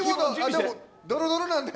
ドロドロなんで。